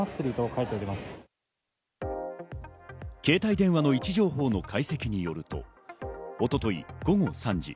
携帯電話の位置情報の解析によると、一昨日、午後３時。